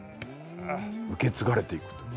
受け継がれていく。